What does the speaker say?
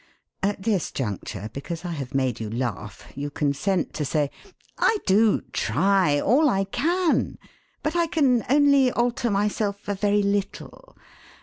At this juncture, because I have made you laugh, you consent to say: 'I do try, all I can. But I can only alter myself a very little.